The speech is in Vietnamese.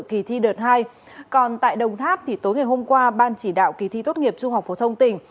kỳ thi đợt hai còn tại đồng tháp tối ngày hôm qua ban chỉ đạo kỳ thi tốt nghiệp trung học phổ thông tỉnh